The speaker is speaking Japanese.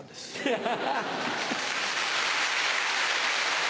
ハハハ。